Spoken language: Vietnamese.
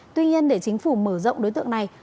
tuy nhiên để chính phủ mở rộng đối tượng này